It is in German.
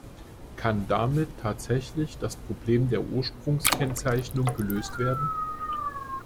Kann damit tatsächlich das Problem der Ursprungskennzeichnung gelöst werden?